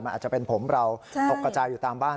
อาจจะเป็นผมเราตกกระจายอยู่ตามบ้าน